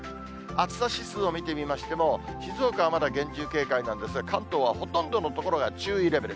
暑さ指数を見てみましても、静岡はまだ厳重警戒なんですが、関東はほとんどの所が注意レベル。